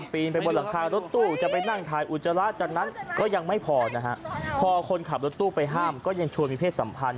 พอคนขับรถตู้ไปห้ามก็ยังชวนมีเพศสัมพันธ์